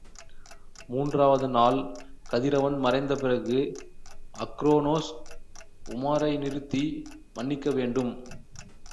மூன்றாவது நாள் கதிரவன் மறைந்த பிறகு, அக்ரோனோஸ், உமாரை நிறுத்தி மன்னிக்கவேண்டும்.